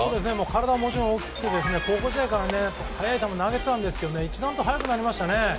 体ももちろん大きくて高校時代から速い球を投げてたんですけど一段と速くなりましたね。